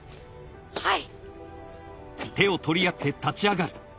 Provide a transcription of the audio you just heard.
はい！